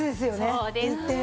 そうです。